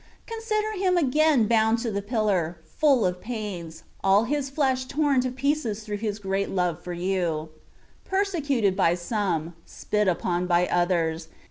Consider Him again bound to the pillar, full of pains, all his flesh torn to pieces through His great love for you : persecuted by some, spit upon by others